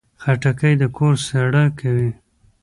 خټکی د کور سړه کوي.